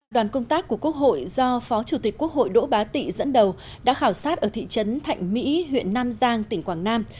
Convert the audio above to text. đoàn công tác của quốc hội do phó chủ tịch quốc hội đỗ bá tị dẫn đầu đã khảo sát ở thị trấn thạnh mỹ huyện nam giang tỉnh quảng nam